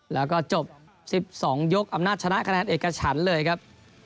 แล้วก็จบ๑๒ยกอำนาจชนะคะแนนเอกฉันเลยครับ